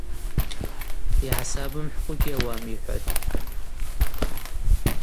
Йгӏасабымхӏвкӏва йгьауам, —йхӏватӏ.